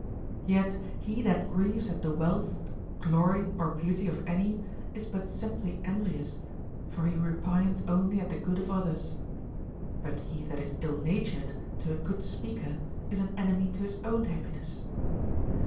Yet he that 446 OF HEARING. grieves at the Avealtli, glory, or beauty of any is but sim ply envious, for he repines only at the good of others ; but he that is ill natured to a good speaker is an enemy to his own happiness.